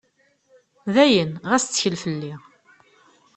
D ayen, ɣas ttkel fell-i.